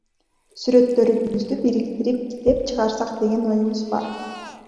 Сүрөттөрүбүздү бириктирип, китеп чыгарсак деген оюбуз бар.